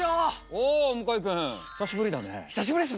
おお向井君久しぶりだね。